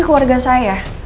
ini keluarga saya